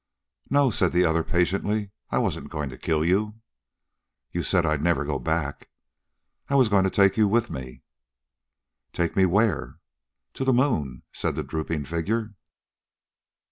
"No," said the other patiently. "I wasn't going to kill you." "You said I'd never go back." "I was going to take you with me." "Take me where?" "To the moon," said the drooping figure.